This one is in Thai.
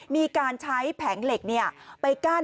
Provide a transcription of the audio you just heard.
มีการใช้แผงเหล็กไปกั้น